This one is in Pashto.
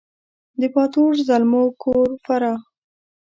د باتور زلمو کور فراه